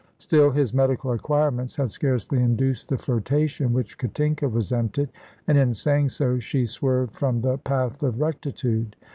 Still, his medical acquirements had scarcely induced the flirtation which Katinka resented, and in saying so she swerved from the path of rectitude.